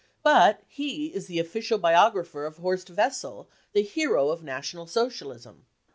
; but he is the official biographer of Horst Wessel, the hero of National Socialism.